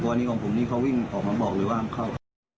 แต่วันของผมเนี่ยเขาวิ่งออกมาบอกเลยว่ามเข้า